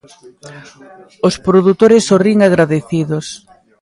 Os produtores sorrín agradecidos.